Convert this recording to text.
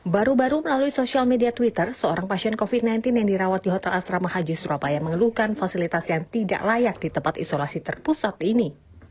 baru baru melalui sosial media twitter seorang pasien covid sembilan belas yang dirawat di hotel asrama haji surabaya mengeluhkan fasilitas yang tidak layak di tempat isolasi terpusat ini